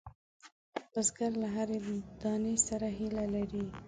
بزګر له هرې دانې سره هیله لري